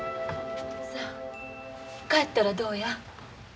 さあ帰ったらどうや。